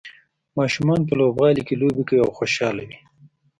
ماشومان په لوبغالي کې لوبې کوي او خوشحاله وي.